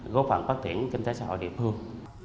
góp phần phát triển kinh tế xã hội địa phương